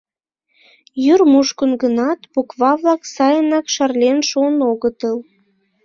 Йӱр мушкын гынат, буква-влак сайынак шарлен шуын огытыл.